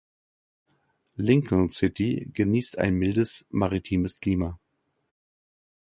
Lincoln City genießt ein mildes maritimes Klima.